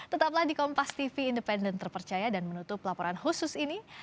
tetaplah di kompas tv independen terpercaya dan menutup laporan khusus ini